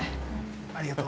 ありがとう。